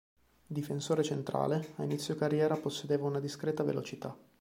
Difensore centrale, a inizio carriera possedeva una discreta velocità.